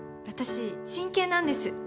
私真剣なんです。